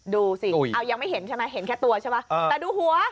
ดูสิเอายังไม่เห็นใช่ไหมเห็นแค่ตัวใช่ไหมแต่ดูหัว